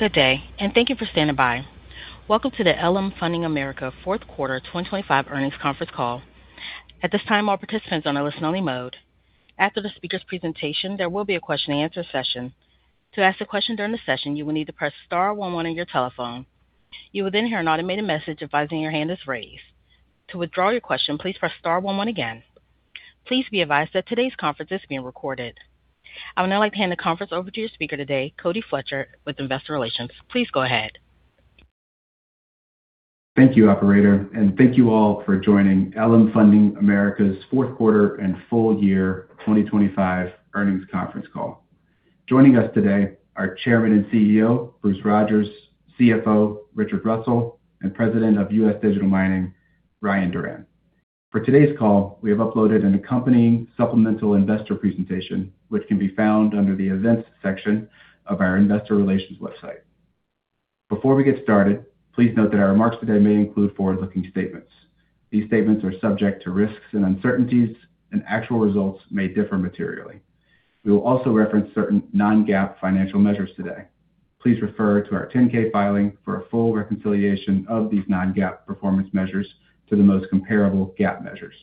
Good day, and thank you for standing by. Welcome to the LM Funding America fourth quarter 2025 earnings conference call. At this time, all participants are on a listen-only mode. After the speaker's presentation, there will be a question-and-answer session. To ask a question during the session, you will need to press star one one on your telephone. You will then hear an automated message advising that your hand is raised. To withdraw your question, please press star one one again. Please be advised that today's conference is being recorded. I would now like to hand the conference over to your speaker today, Cody Fletcher with Investor Relations. Please go ahead. Thank you, operator, and thank you all for joining LM Funding America's fourth quarter and full year 2025 earnings conference call. Joining us today are Chairman and CEO, Bruce Rodgers, CFO, Richard Russell, and President of US Digital Mining, Ryan Duran. For today's call, we have uploaded an accompanying supplemental investor presentation, which can be found under the Events section of our investor relations website. Before we get started, please note that our remarks today may include forward-looking statements. These statements are subject to risks and uncertainties, and actual results may differ materially. We will also reference certain non-GAAP financial measures today. Please refer to our 10-K filing for a full reconciliation of these non-GAAP performance measures to the most comparable GAAP measures.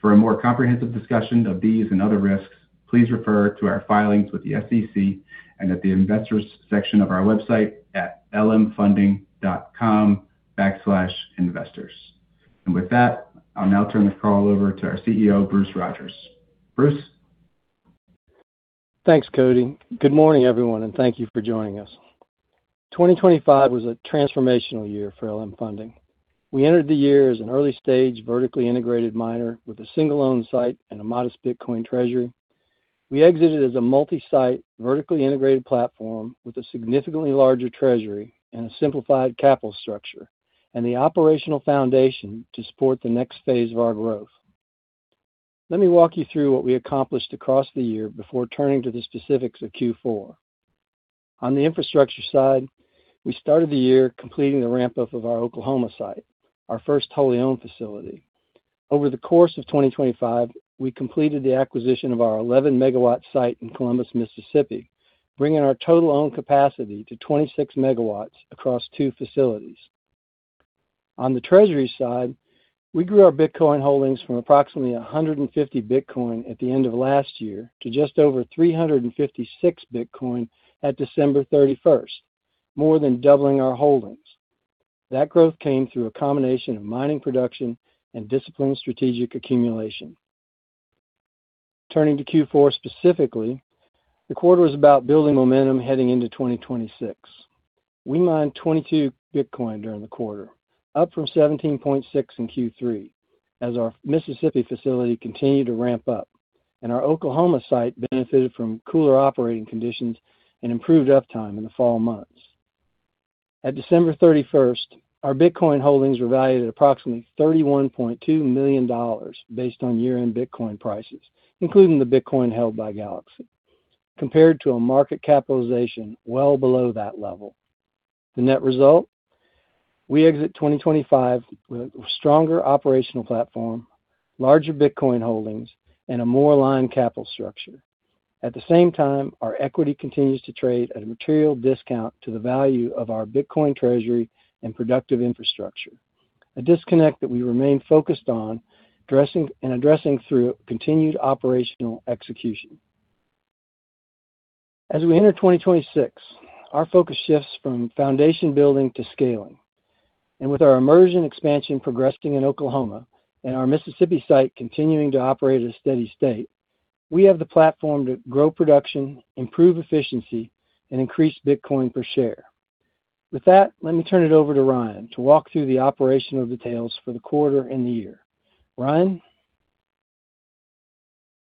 For a more comprehensive discussion of these and other risks, please refer to our filings with the SEC and at the investors section of our website at lmfunding.com/investors. With that, I'll now turn the call over to our CEO, Bruce Rodgers. Bruce? Thanks, Cody. Good morning, everyone, and thank you for joining us. 2025 was a transformational year for LM Funding. We entered the year as an early-stage, vertically integrated miner with a single-owned site and a modest Bitcoin treasury. We exited as a multi-site, vertically integrated platform with a significantly larger treasury and a simplified capital structure and the operational foundation to support the next phase of our growth. Let me walk you through what we accomplished across the year before turning to the specifics of Q4. On the infrastructure side, we started the year completing the ramp-up of our Oklahoma site, our first wholly-owned facility. Over the course of 2025, we completed the acquisition of our 11 MW site in Columbus, Mississippi, bringing our total owned capacity to 26 MW across two facilities. On the treasury side, we grew our Bitcoin holdings from approximately 150 BTC at the end of last year to just over 356 BTC at December 31st, more than doubling our holdings. That growth came through a combination of mining production and disciplined strategic accumulation. Turning to Q4 specifically, the quarter was about building momentum heading into 2026. We mined 22 BTC during the quarter, up from 17.6 in Q3, as our Mississippi facility continued to ramp up, and our Oklahoma site benefited from cooler operating conditions and improved uptime in the fall months. At December 31st, our Bitcoin holdings were valued at approximately $31.2 million based on year-end Bitcoin prices, including the Bitcoin held by Galaxy, compared to a market capitalization well below that level. The net result, we exit 2025 with a stronger operational platform, larger Bitcoin holdings, and a more aligned capital structure. At the same time, our equity continues to trade at a material discount to the value of our Bitcoin treasury and productive infrastructure. A disconnect that we remain focused on addressing, and addressing through continued operational execution. As we enter 2026, our focus shifts from foundation building to scaling. With our immersion expansion progressing in Oklahoma and our Mississippi site continuing to operate at a steady state, we have the platform to grow production, improve efficiency, and increase Bitcoin per share. With that, let me turn it over to Ryan to walk through the operational details for the quarter and the year. Ryan?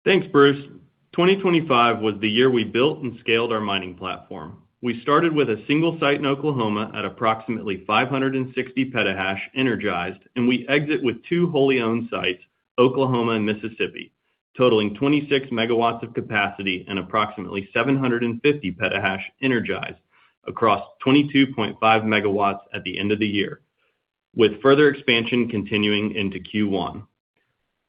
Thanks, Bruce. 2025 was the year we built and scaled our mining platform. We started with a single site in Oklahoma at approximately 560 PH/s energized, and we exit with two wholly owned sites, Oklahoma and Mississippi, totaling 26 MW of capacity and approximately 750 PH/s energized across 22.5 MW at the end of the year, with further expansion continuing into Q1.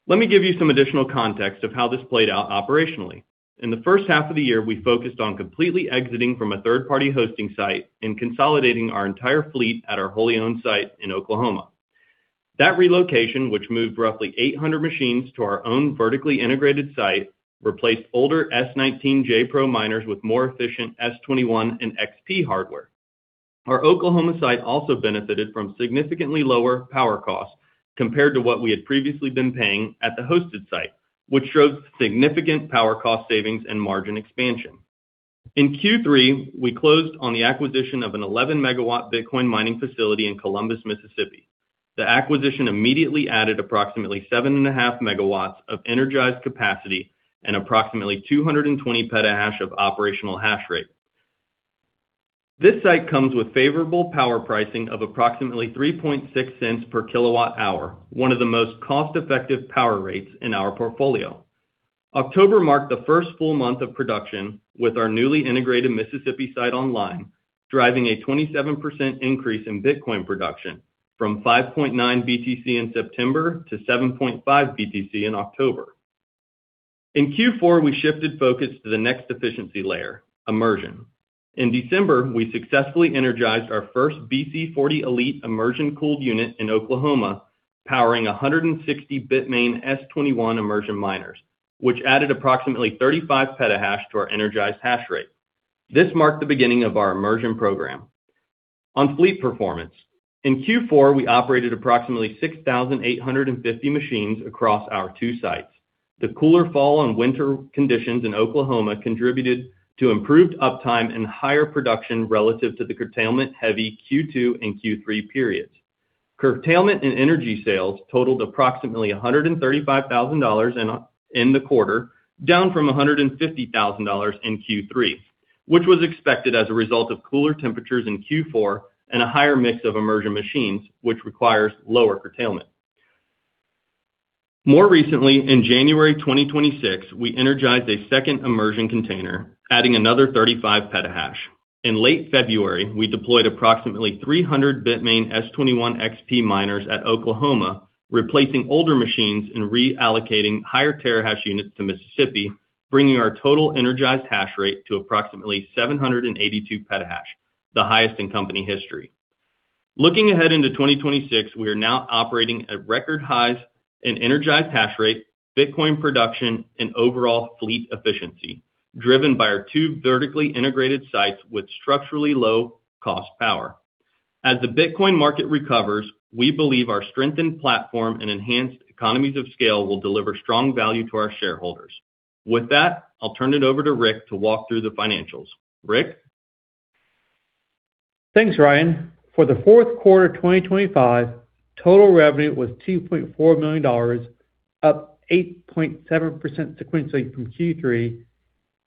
Let me give you some additional context of how this played out operationally. In the first half of the year, we focused on completely exiting from a third-party hosting site and consolidating our entire fleet at our wholly owned site in Oklahoma. That relocation, which moved roughly 800 machines to our own vertically integrated site, replaced older S19j Pro miners with more efficient S21 and XP hardware. Our Oklahoma site also benefited from significantly lower power costs compared to what we had previously been paying at the hosted site, which drove significant power cost savings and margin expansion. In Q3, we closed on the acquisition of an 11 MW Bitcoin mining facility in Columbus, Mississippi. The acquisition immediately added approximately 7.5 MW of energized capacity and approximately 220 PH/s of operational hash rate. This site comes with favorable power pricing of approximately 3.6 cents per kWh, one of the most cost-effective power rates in our portfolio. October marked the first full month of production with our newly integrated Mississippi site online, driving a 27% increase in Bitcoin production from 5.9 BTC in September to 7.5 BTC in October. In Q4, we shifted focus to the next efficiency layer, immersion. In December, we successfully energized our first BC40 Elite immersion-cooled unit in Oklahoma, powering 160 Bitmain S21 immersion miners, which added approximately 35 PH/s to our energized hash rate. This marked the beginning of our immersion program. On fleet performance, in Q4, we operated approximately 6,850 machines across our two sites. The cooler fall and winter conditions in Oklahoma contributed to improved uptime and higher production relative to the curtailment-heavy Q2 and Q3 periods. Curtailment in energy sales totaled approximately $135,000 in the quarter, down from $150,000 in Q3. Which was expected as a result of cooler temperatures in Q4 and a higher mix of immersion machines, which requires lower curtailment. More recently, in January 2026, we energized a second immersion container, adding another 35 PH/s. In late February, we deployed approximately 300 Bitmain S21 XP miners at Oklahoma, replacing older machines and reallocating higher terahash units to Mississippi, bringing our total energized hash rate to approximately 782 PH/s, the highest in company history. Looking ahead into 2026, we are now operating at record highs in energized hash rate, Bitcoin production, and overall fleet efficiency, driven by our two vertically integrated sites with structurally low-cost power. As the Bitcoin market recovers, we believe our strengthened platform and enhanced economies of scale will deliver strong value to our shareholders. With that, I'll turn it over to Rick to walk through the financials. Rick. Thanks, Ryan. For the fourth quarter 2025, total revenue was $2.4 million, up 8.7% sequentially from Q3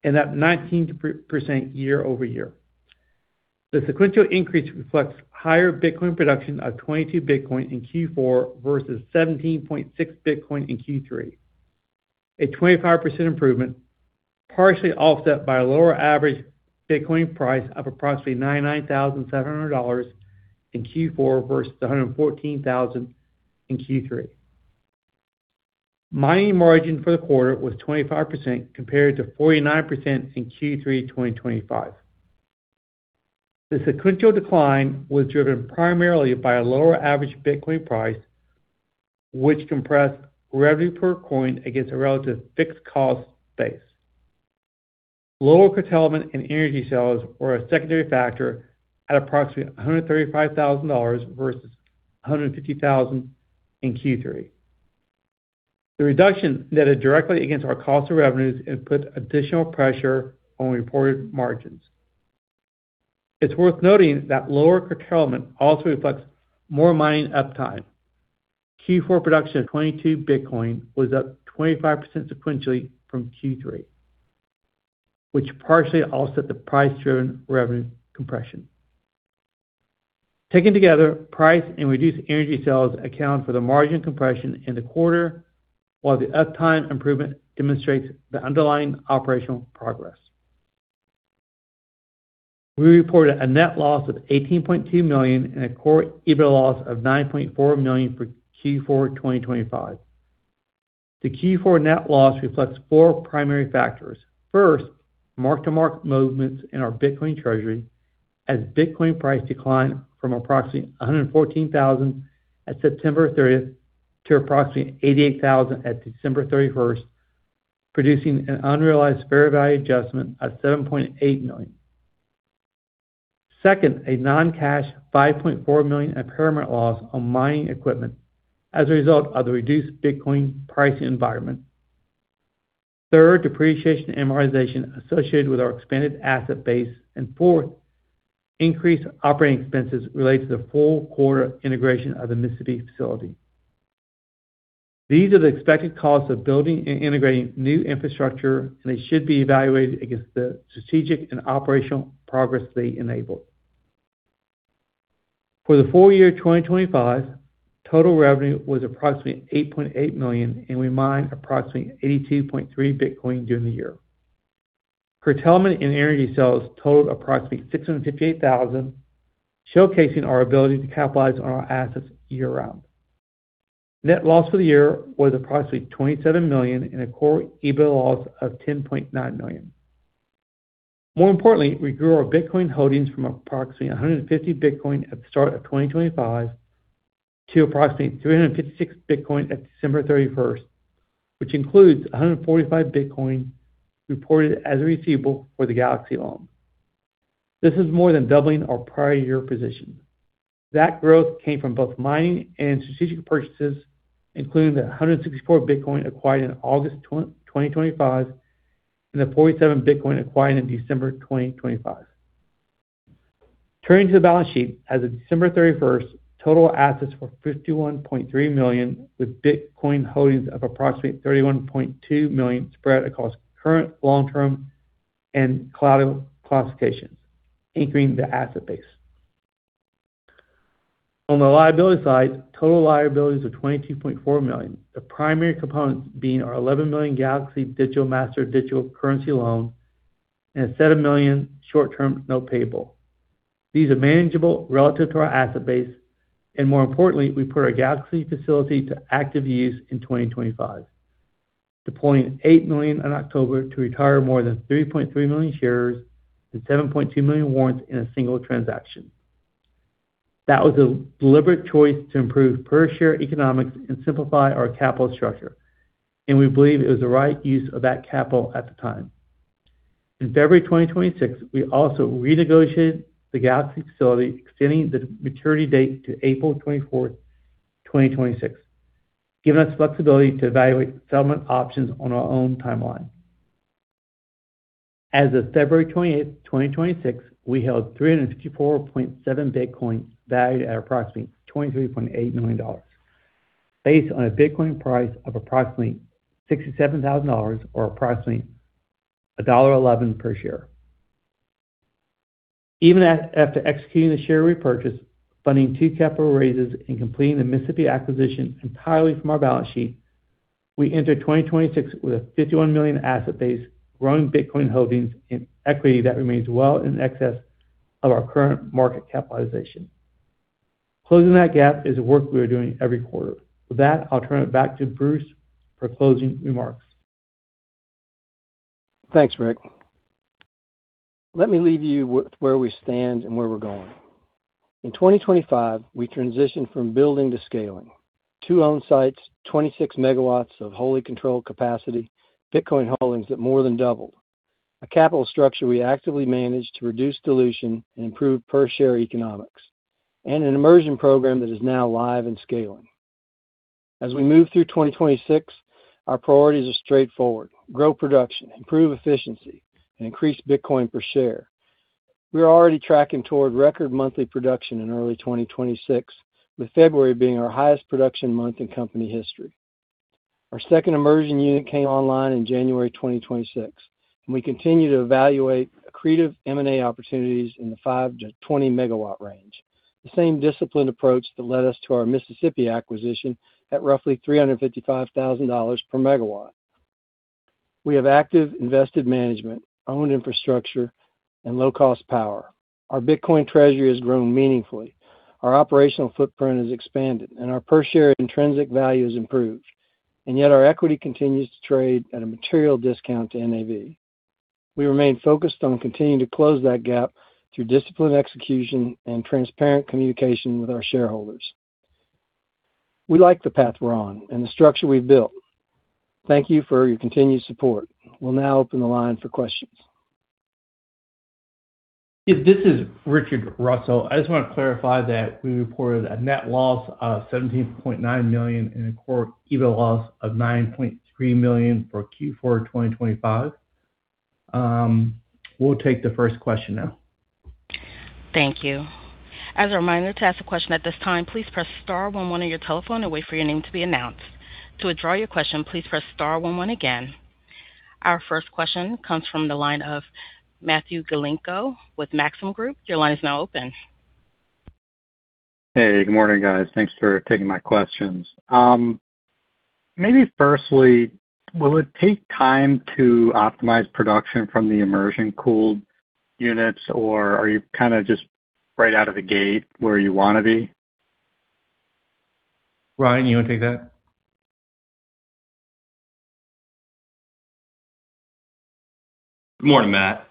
and up 19% year-over-year. The sequential increase reflects higher Bitcoin production of 22 BTC in Q4 versus 17.6 BTC in Q3. A 25% improvement, partially offset by a lower average Bitcoin price of approximately $99,700 in Q4 versus $114,000 in Q3. Mining margin for the quarter was 25% compared to 49% in Q3 2025. The sequential decline was driven primarily by a lower average Bitcoin price, which compressed revenue per coin against a relative fixed cost base. Lower curtailment in energy sales were a secondary factor at approximately $135,000 versus $150,000 in Q3. The reduction netted directly against our cost of revenues and put additional pressure on reported margins. It's worth noting that lower curtailment also reflects more mining uptime. Q4 production of 22 BTC was up 25% sequentially from Q3, which partially offset the price-driven revenue compression. Taken together, price and reduced energy sales account for the margin compression in the quarter, while the uptime improvement demonstrates the underlying operational progress. We reported a net loss of $18.2 million and a core EBITDA loss of $9.4 million for Q4 2025. The Q4 net loss reflects four primary factors. First, mark-to-market movements in our Bitcoin treasury as Bitcoin price declined from approximately $114,000 at September 30th to approximately $88,000 at December 31st, producing an unrealized fair value adjustment of $7.8 million. Second, a non-cash $5.4 million impairment loss on mining equipment as a result of the reduced Bitcoin pricing environment. Third, depreciation and amortization associated with our expanded asset base. Fourth, increased operating expenses related to the full quarter integration of the Mississippi facility. These are the expected costs of building and integrating new infrastructure, and they should be evaluated against the strategic and operational progress they enable. For the full year 2025, total revenue was approximately $8.8 million, and we mined approximately 82.3 BTC during the year. Curtailment in energy sales totaled approximately $658,000, showcasing our ability to capitalize on our assets year-round. Net loss for the year was approximately $27 million and a core EBITDA loss of $10.9 million. More importantly, we grew our Bitcoin holdings from approximately 150 BTC at the start of 2025 to approximately 356 BTC at December 31st, which includes 145 BTC reported as a receivable for the Galaxy Digital loan. This is more than doubling our prior year position. That growth came from both mining and strategic purchases, including a 164 BTC acquired in August 2025, and 47 BTC acquired in December 2025. Turning to the balance sheet, as of December 31st, total assets were $51.3 million, with Bitcoin holdings of approximately $31.2 million spread across current, long-term, and cloud classifications, anchoring the asset base. On the liability side, total liabilities of $22.4 million, the primary components being our $11 million Galaxy Digital master digital currency loan and $7 million short-term note payable. These are manageable relative to our asset base, and more importantly, we put our Galaxy facility to active use in 2025. Deploying $8 million in October to retire more than 3.3 million shares and 7.2 million warrants in a single transaction. That was a deliberate choice to improve per share economics and simplify our capital structure, and we believe it was the right use of that capital at the time. In February 2026, we also renegotiated the Galaxy facility, extending the maturity date to April 24th, 2026, giving us flexibility to evaluate settlement options on our own timeline. As of February 28th, 2026, we held 354.7 BTC valued at approximately $23.8 million, based on a Bitcoin price of approximately $67,000 or approximately $1.11 per share. Even after executing the share repurchase, funding two capital raises and completing the Mississippi acquisition entirely from our balance sheet, we entered 2026 with a $51 million asset base, growing Bitcoin holdings in equity that remains well in excess of our current market capitalization. Closing that gap is the work we are doing every quarter. With that, I'll turn it back to Bruce for closing remarks. Thanks, Rick. Let me leave you with where we stand and where we're going. In 2025, we transitioned from building to scaling. Two owned sites, 26 MW of wholly controlled capacity, Bitcoin holdings that more than doubled. A capital structure we actively managed to reduce dilution and improve per share economics, and an immersion program that is now live and scaling. As we move through 2026, our priorities are straightforward. Grow production, improve efficiency, and increase Bitcoin per share. We are already tracking toward record monthly production in early 2026, with February being our highest production month in company history. Our second immersion unit came online in January 2026, and we continue to evaluate accretive M&A opportunities in the 5-20 MW range. The same disciplined approach that led us to our Mississippi acquisition at roughly $355,000 per MW. We have active invested management, owned infrastructure, and low-cost power. Our Bitcoin treasury has grown meaningfully. Our operational footprint has expanded, and our per share intrinsic value has improved. Yet our equity continues to trade at a material discount to NAV. We remain focused on continuing to close that gap through disciplined execution and transparent communication with our shareholders. We like the path we're on and the structure we've built. Thank you for your continued support. We'll now open the line for questions. If this is Richard Russell, I just want to clarify that we reported a net loss of $17.9 million and a core EBITDA loss of $9.3 million for Q4 2025. We'll take the first question now. Thank you. Our first question comes from the line of Matthew Galinko with Maxim Group. Your line is now open. Hey, good morning, guys. Thanks for taking my questions. Maybe firstly, will it take time to optimize production from the immersion cooled units, or are you kind of just right out of the gate where you want to be? Ryan, you want to take that? Good morning, Matt.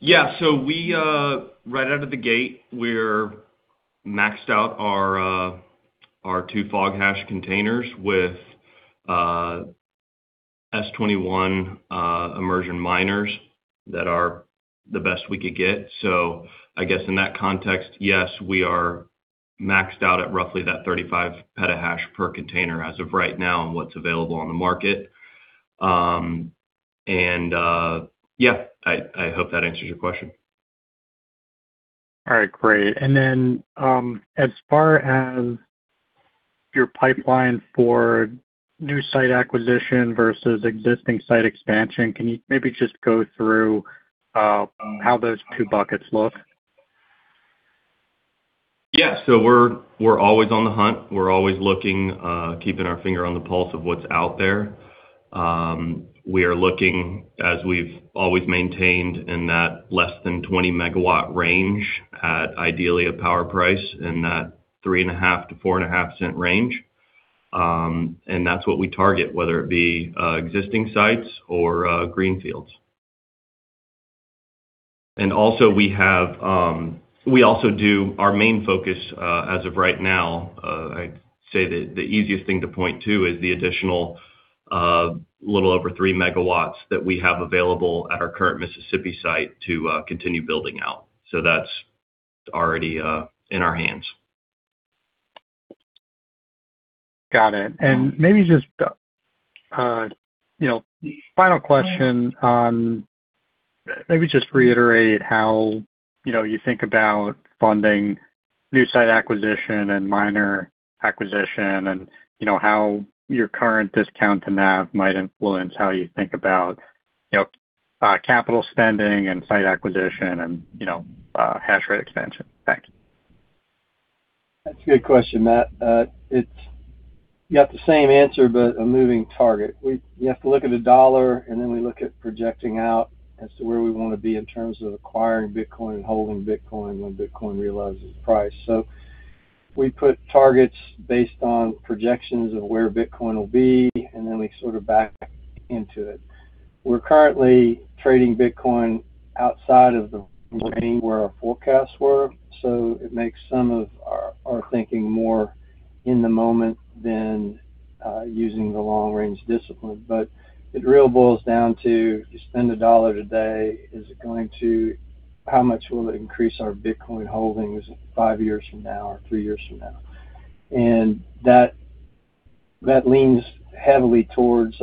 Yeah, so we right out of the gate, we're maxed out our two FogHashing containers with S21 immersion miners that are the best we could get. I guess in that context, yes, we are maxed out at roughly that 35 PH/s per container as of right now and what's available on the market. Yeah, I hope that answers your question. All right, great. As far as your pipeline for new site acquisition versus existing site expansion, can you maybe just go through how those two buckets look? Yeah. We're always on the hunt. We're always looking, keeping our finger on the pulse of what's out there. We are looking as we've always maintained in that less than 20 MW range at ideally a power price in that $0.035-$0.045 range. That's what we target, whether it be existing sites or greenfields. We also do our main focus as of right now. I'd say that the easiest thing to point to is the additional little over 3 MW that we have available at our current Mississippi site to continue building out. That's already in our hands. Got it. Maybe just, you know, final question on maybe just reiterate how, you know, you think about funding new site acquisition and miner acquisition and, you know, how your current discount to NAV might influence how you think about, you know, capital spending and site acquisition and, you know, hash rate expansion. Thank you. That's a good question, Matt. It's got the same answer, but a moving target. You have to look at the dollar, and then we look at projecting out as to where we want to be in terms of acquiring Bitcoin and holding Bitcoin when Bitcoin realizes price. We put targets based on projections of where Bitcoin will be, and then we sort of back into it. We're currently trading Bitcoin outside of the range where our forecasts were, so it makes some of our thinking more in the moment than using the long-range discipline. It really boils down to you spend a dollar today, is it going to, how much will it increase our Bitcoin holdings five years from now or three years from now? That leans heavily towards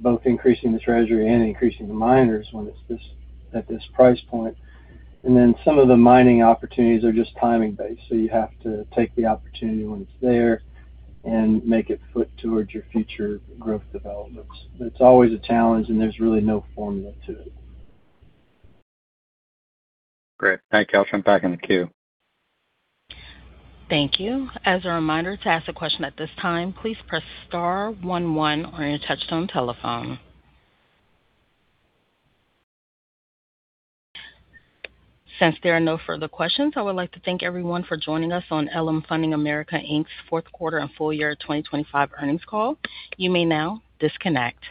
both increasing the treasury and increasing the miners when it's at this price point. Then some of the mining opportunities are just timing based, so you have to take the opportunity when it's there and make it fit towards your future growth developments. It's always a challenge, and there's really no formula to it. Great. Thank you. I'll turn back in the queue. Thank you. As a reminder to ask a question at this time, please press star one one on your touchtone telephone. Since there are no further questions, I would like to thank everyone for joining us on LM Funding America Inc's fourth quarter and full year 2025 earnings call. You may now disconnect.